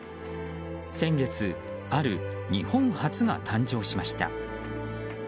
先月、ある日本初が誕生しました。